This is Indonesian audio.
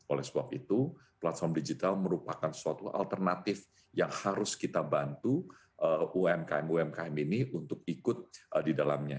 oleh sebab itu platform digital merupakan suatu alternatif yang harus kita bantu umkm umkm ini untuk ikut di dalamnya